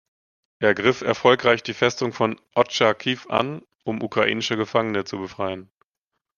Er griff erfolgreich die Festung von Otschakiw an, um ukrainische Gefangene zu befreien.